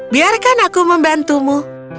biarkan aku membantumu